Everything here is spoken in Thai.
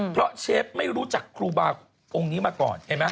เพราะเชฟไม่รู้จักครูบาองค์นี้มาก่อนเห็นไหม